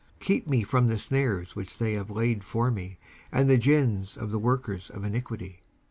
19:141:009 Keep me from the snares which they have laid for me, and the gins of the workers of iniquity.